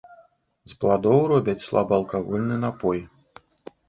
З пладоў робяць слабаалкагольны напой.